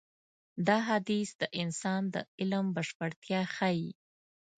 دا حديث د انسان د علم بشپړتيا ښيي.